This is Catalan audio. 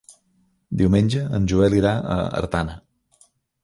Diumenge en Joel irà a Artana.